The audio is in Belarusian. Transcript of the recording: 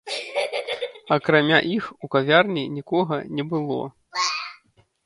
Акрамя іх у кавярні нікога не было.